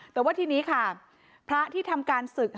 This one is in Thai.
แต่ว่าทีนี้ค่ะพระที่ทำการศึก